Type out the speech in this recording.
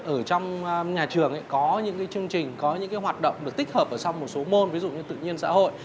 ở trong nhà trường có những cái chương trình có những cái hoạt động được tích hợp ở sau một số môn ví dụ như tự nhiên xã hội